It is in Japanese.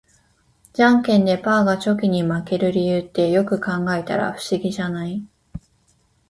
ジャンケンでパーがチョキに負ける理由って、よく考えたら不思議じゃない？